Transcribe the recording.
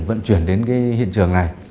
vận chuyển đến cái hiện trường này